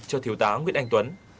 cho thiếu tá nguyễn anh tuấn